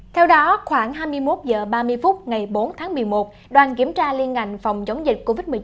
theo đó khoảng hai mươi một h ba mươi phút ngày bốn tháng một mươi một đoàn kiểm tra liên ngành phòng chống dịch covid một mươi chín